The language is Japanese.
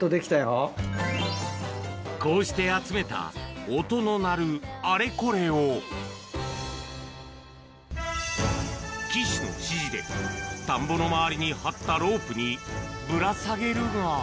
こうして集めた音の鳴るあれこれを、岸の指示で田んぼの周りに張ったロープにぶら下げるが。